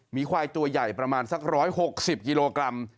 มีควายตัวใหญ่ประมาณสัก๑๖๐กิโลกรัม